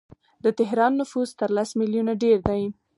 د تهران نفوس تر لس میلیونه ډیر دی.